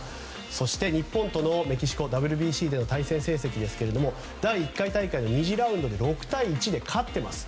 そして日本とのメキシコＷＢＣでの対戦成績ですが第１回大会の２次ラウンドで６対１で勝っています。